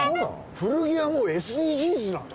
古着はもうＳＤＧｓなんだ？